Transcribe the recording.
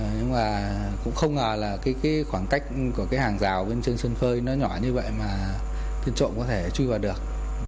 nhưng mà cũng không ngờ là cái khoảng cách của cái hàng rào bên trên sân phơi nó nhỏ như vậy mà trên trộm có thể chui vào được